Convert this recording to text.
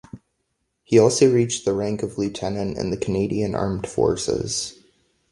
He also reached the rank of Lieutenant in the Canadian Armed Forces.